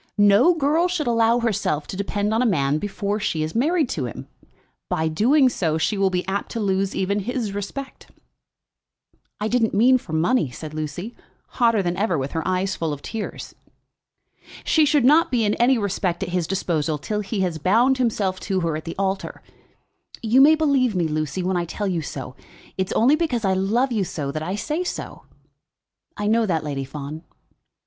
No girl should allow herself to depend on a man before she is married to him. By doing so she will be apt to lose even his respect." "I didn't mean for money," said Lucy, hotter than ever, with her eyes full of tears. "She should not be in any respect at his disposal till he has bound himself to her at the altar. You may believe me, Lucy, when I tell you so. It is only because I love you so that I say so." "I know that, Lady Fawn."